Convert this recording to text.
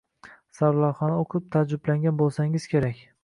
Sarlavhani oʻqib taajublangan boʻlsangiz kerak.